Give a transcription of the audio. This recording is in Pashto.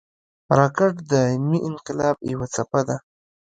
راکټ د علمي انقلاب یوه څپه ده